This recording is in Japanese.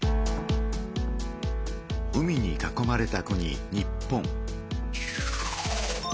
海に囲まれた国日本。